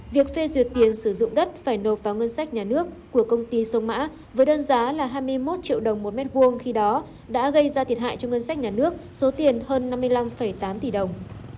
việc phê duyệt tiền sử dụng đất phải nộp vào ngân sách nhà nước của công ty sông mã với đơn giá là hai mươi một triệu đồng một mét vuông khi đó đã gây ra thiệt hại cho ngân sách nhà nước số tiền hơn năm mươi năm tám tỷ đồng